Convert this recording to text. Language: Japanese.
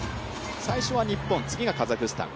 最初は日本、次はカザフスタン。